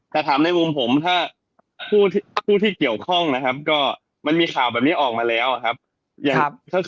แต่ถามในมุมผมถ้าผู้ที่เกี่ยวข้องนะครับก็มันมีข่าวแบบนี้ออกมาแล้วครับ